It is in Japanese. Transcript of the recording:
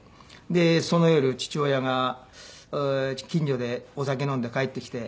その夜父親が近所でお酒飲んで帰ってきて。